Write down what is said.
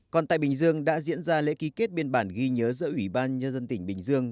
còn tại bình dương đã diễn ra lễ ký kết biên bản ghi nhớ giữa ủy ban nhân dân tỉnh bình dương